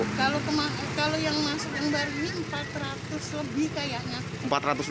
kalau yang masuk yang baru ini empat ratus lebih kayaknya